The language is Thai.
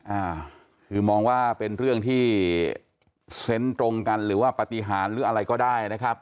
อ่าคือมองว่าเป็นเรื่องที่เซนต์ตรงกันหรือว่าปฏิหารหรืออะไรก็ได้นะครับ